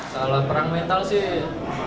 salah perang mental sih